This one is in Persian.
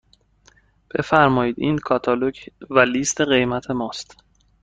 بفرمایید این کاتالوگ و لیست قیمت ماست.